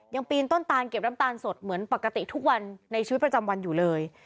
ปีนต้นตานเก็บน้ำตาลสดเหมือนปกติทุกวันในชีวิตประจำวันอยู่เลย